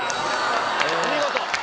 お見事！